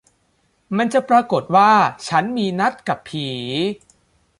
มันจะปรากฏว่าฉันมีนัดกับผี